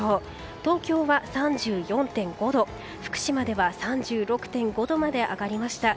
東京は３４．５度福島では３６．５度まで上がりました。